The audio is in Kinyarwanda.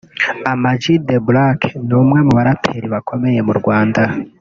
Ama G The Black ni umwe mu baraperi bakomeye mu Rwanda